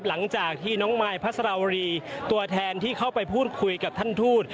หลังจากที่น้องมายพัสราวรีตัวแทนที่เข้าไปพูดคุยกับท่านทูต